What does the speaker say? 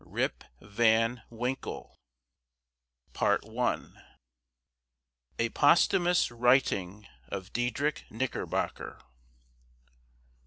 RIP VAN WINKLE. A POSTHUMOUS WRITING OF DIEDRICH KNICKERBOCKER.